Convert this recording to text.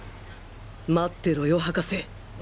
待ってろよ博士！